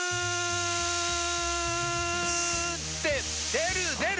出る出る！